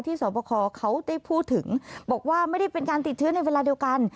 สอบคอเขาได้พูดถึงบอกว่าไม่ได้เป็นการติดเชื้อในเวลาเดียวกัน